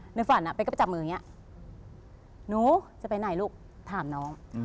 ในฝันเป็นก็ไปจับมืออย่างนี้หนูจะไปไหนลูกถามน้อง